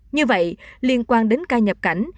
như vậy liên quan đến ca nhập cảnh